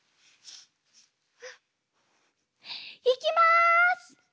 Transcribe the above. いきます！